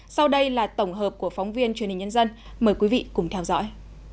sau đây là tổng hợp của phóng viên truyền hình nhân dân mời quý vị cùng theo dõi